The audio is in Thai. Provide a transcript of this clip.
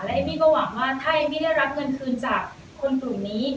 เอมมี่ก็หวังว่าถ้าเอมมี่ได้รับเงินคืนจากคนกลุ่มนี้